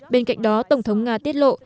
bên cạnh đó tổng thống nga tiết lộ